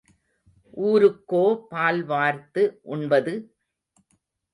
ஊருக்கோ பால் வார்த்து உண்பது?